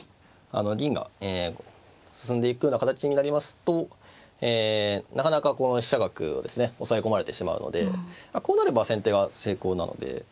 銀が進んでいくような形になりますとなかなかこの飛車角はですね押さえ込まれてしまうのでこうなれば先手が成功なので。